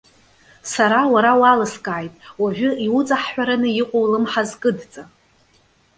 Сара, уара уалыскааит. Уажәы иуҵаҳҳәараны иҟоу улымҳа азкыдҵа.